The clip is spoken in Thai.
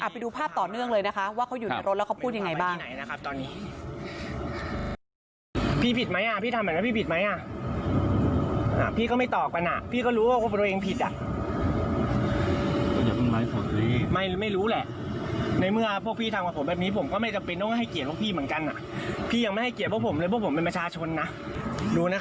ไปดูภาพต่อเนื่องเลยนะคะว่าเขาอยู่ในรถแล้วเขาพูดยังไงบ้าง